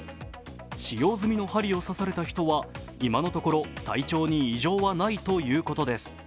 使用済みの針を刺された人は今のところ、体調に異常はないということです。